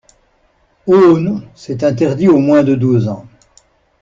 Ho non, c'est interdit aux moins de douze ans.